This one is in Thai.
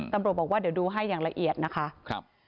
ตำรวจบอกว่าเดี๋ยวดูให้อย่างละเอียดนะคะ